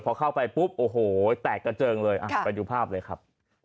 พอเข้าไปปุ๊บโอ้โหแตกกระเจิงเลยไปดูภาพเลยครับ